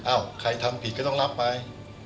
ใครทำผิดก็ต้องรับไป